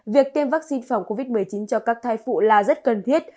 việc tiêm vaccine phòng covid một mươi chín cho các thai phụ là rất cần thiết